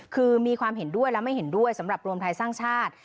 คือมีความเห็นด้วยและไม่เห็นด้วยสำหรับรวมไทยสร้างชาติ